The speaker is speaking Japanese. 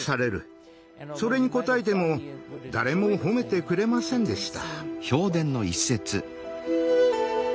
それに応えても誰も褒めてくれませんでした。